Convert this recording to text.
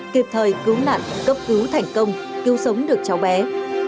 kịp thời cứu nạn cấp cứu thành công cứu sống được cháu bé